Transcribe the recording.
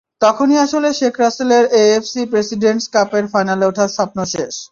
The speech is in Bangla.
তখনই আসলে শেখ রাসেলের এএফসি প্রেসিডেন্টস কাপের ফাইনালে ওঠার স্বপ্ন শেষ।